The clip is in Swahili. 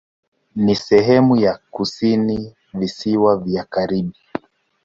Ni sehemu ya kusini Visiwa vya Karibi.